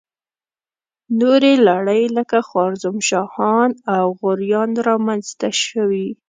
نورې لړۍ لکه خوارزم شاهان او غوریان را منځته شوې.